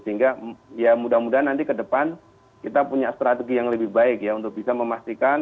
sehingga ya mudah mudahan nanti ke depan kita punya strategi yang lebih baik ya untuk bisa memastikan